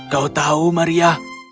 kau tahu maria